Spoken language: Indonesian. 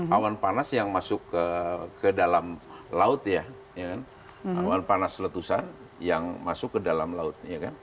awan panas yang masuk ke dalam laut ya awan panas letusan yang masuk ke dalam laut